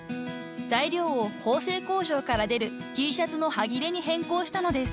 ［材料を縫製工場から出るＴシャツの端切れに変更したのです］